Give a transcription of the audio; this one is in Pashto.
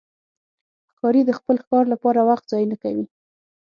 ښکاري د خپل ښکار لپاره وخت ضایع نه کوي.